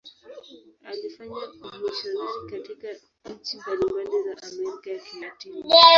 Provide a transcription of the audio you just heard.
Alifanya umisionari katika nchi mbalimbali za Amerika ya Kilatini.